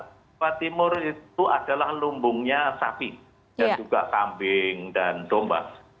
jawa timur itu adalah lumbungnya sapi dan juga kambing dan domba